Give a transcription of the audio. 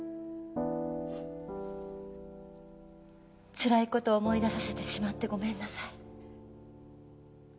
つらい事を思い出させてしまってごめんなさい。